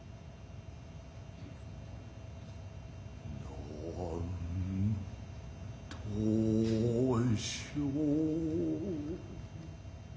何としょう。